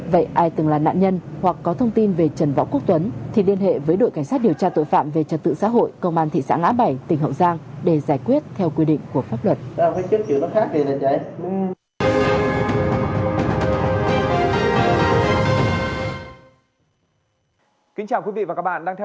vậy ai từng là nạn nhân hoặc có thông tin về trần võ quốc tuấn thì liên hệ với đội cảnh sát điều tra tội phạm về trật tự xã hội công an thị xã ngã bảy tỉnh hậu giang để giải quyết theo quy định của pháp luật